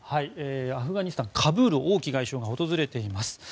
アフガニスタン・カブール王毅外相が訪れています。